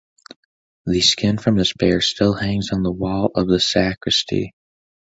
The skin from this bear still hangs on the wall of the sacristy.